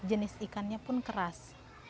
jenis ikannya pun keras